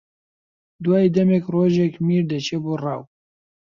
دوای دەمێک ڕۆژێک میر دەچێ بۆ ڕاو